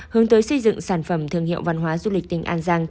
hướng tới xây dựng sản phẩm thương hiệu văn hóa du lịch tỉnh an giang